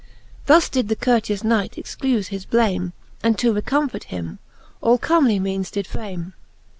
Thus did the courteous Knight excufe his blame, And to recomfort him, all comely meanes did frame.